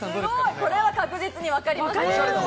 これは確実にわかります。